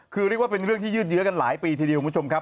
คือเรียกว่าเป็นเรื่องที่ยืดเยอะกันหลายปีทีเดียวคุณผู้ชมครับ